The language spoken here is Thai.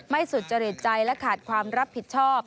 สุจริตใจและขาดความรับผิดชอบ